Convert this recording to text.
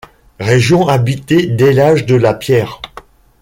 Région habitée dès l'âge de la pierre.